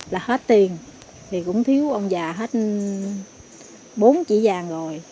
là hết tiền thì cũng thiếu ông già hết bốn chỉ vàng rồi